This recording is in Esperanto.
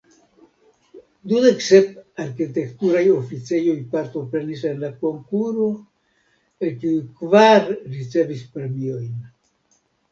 Dudek sep arkitekturaj oficejoj partoprenis en la konkuro, el kiuj kvar ricevis premiojn.